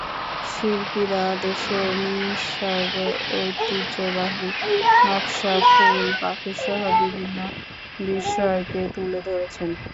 শিল্পীরা দেশের নিসর্গ, ঐতিহ্যবাহী নকশা, ফুল, পাখিসহ বিভিন্ন বিষয়কে তুলে ধরেছেন।